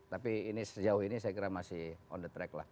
tapi ini sejauh ini saya kira masih on the track lah